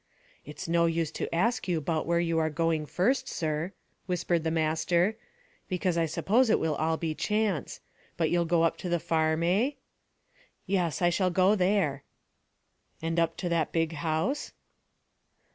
"It's no use to ask you 'bout where you are going first, sir," whispered the master, "because I suppose it will all be chance. But you'll go up to the farm, eh?" "Yes, I shall go there." "And up to that big house?"